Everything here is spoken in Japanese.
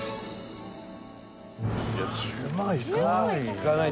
いや１０万いかない。